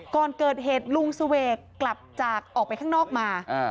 ก่อนเกิดเหตุลุงเสวกกลับจากออกไปข้างนอกมา